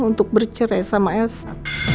untuk bercerai sama esa